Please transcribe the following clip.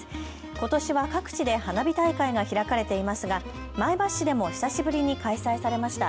ことしは各地で花火大会が開かれていますが前橋市でも久しぶりに開催されました。